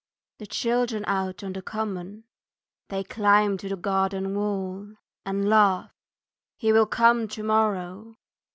The children out on the common: They climb to the garden wall; And laugh: "He will come to morrow!"